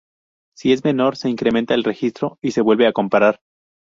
Si es menor se incrementa el registro y se vuelve a comparar.